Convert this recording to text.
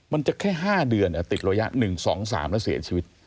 มันจะแค่๕เดือนติดระยะ๑๒๓แล้วเสียชีวิต